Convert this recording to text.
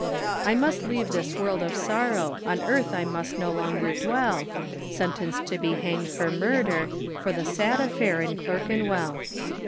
I must leave this world of sorrow, On earth I must no longer dwell, Sentenced to be hanged for murder, For the sad affair in Clerkenwell.